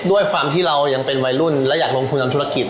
ด้วยความที่เรายังเป็นวัยรุ่นและอยากลงทุนทำธุรกิจ